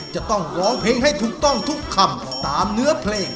จะต้องร้องเพลงให้ถูกต้องทุกคำตามเนื้อเพลง